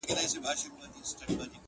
مُلا وايی قبلیږي دي دُعا په کرنتین کي!٫.